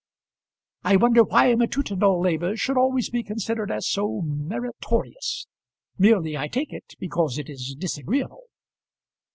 "I wonder why matutinal labour should always be considered as so meritorious. Merely, I take it, because it is disagreeable."